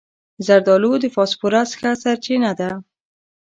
زردالو د فاسفورس ښه سرچینه ده.